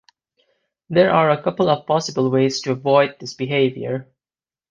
There are a couple of possible ways to avoid this behavior.